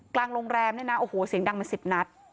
กลางโรงแรมเนี่ยนะโอ้โหเสียงดังเป็น๑๐นัด